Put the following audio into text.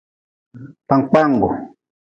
Kpakpangu.